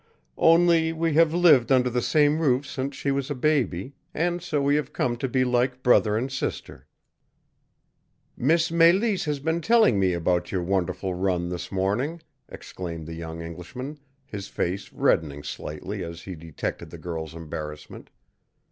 "Only we have lived under the same roof since she was a baby, and so we have come to be like brother and sister." "Miss Mélisse has been telling me about your wonderful run this morning," exclaimed the young Englishman, his face reddening slightly as he detected the girl's embarrassment.